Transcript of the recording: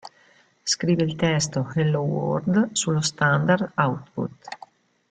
Scrive il testo "Hello world" sullo "standard output".